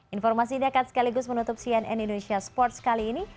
informasi ini akan sekaligus menutup cnn indonesia sports kali ini